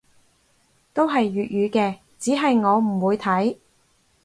都係粵語嘅，只係我唔會睇